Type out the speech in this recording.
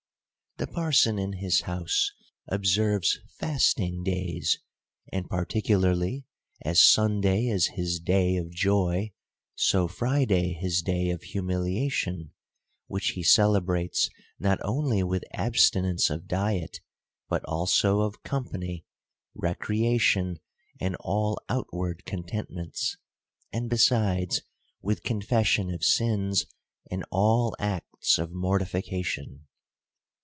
The parson in his house observes fasting days. And particularly, as Sunday is his day of joy, so Friday his day of humiliation ; which he celebrates not only with abstinence of diet, but also of company, recreation, and all outward contentments ; and besides, with confession of sins, and all acts of mortification.